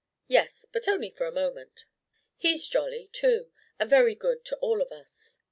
"Yes, but only for a moment." "He's jolly too, and very good to all of us."